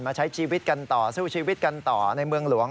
ใช้ชีวิตกันต่อสู้ชีวิตกันต่อในเมืองหลวง